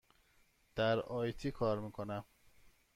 در آی تی کار می کنم.